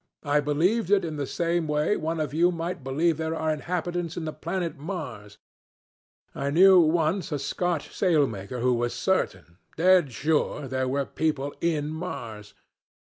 I believed it in the same way one of you might believe there are inhabitants in the planet Mars. I knew once a Scotch sailmaker who was certain, dead sure, there were people in Mars.